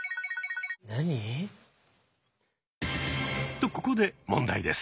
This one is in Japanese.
とここで問題です。